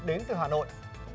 đến từ hà nội